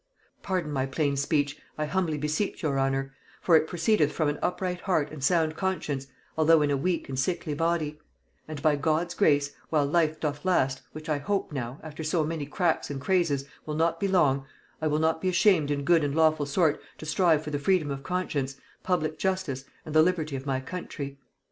"Pardon my plain speech, I humbly beseech your honor, for it proceedeth from an upright heart and sound conscience, although in a weak and sickly body: and by God's grace, while life doth last, which I hope now, after so many cracks and crazes, will not be long, I will not be ashamed in good and lawful sort to strive for the freedom of conscience, public justice, and the liberty of my country.